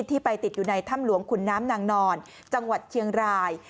ที่ไปติดอยู่ในถ้ำหลวงขุนน้ำนางนอนจังหวัดเชียงราย